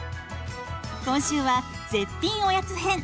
今週は絶品おやつ編。